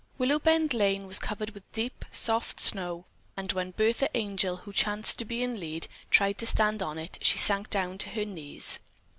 Willowbend Lane was covered with deep, soft snow and when Bertha Angel, who chanced to be in the lead, tried to stand on it, she sank down to her knees.